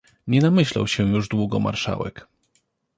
"Nie namyślał się już długo marszałek."